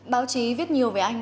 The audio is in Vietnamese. báo chí viết nhiều về anh